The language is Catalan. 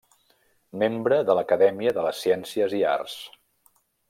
Membre de l'Acadèmia de la de Ciències i Arts.